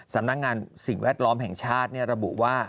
สำนักงานสิ่งแวดล้อมแห่งชาติระบุว่า